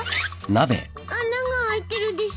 穴が開いてるです。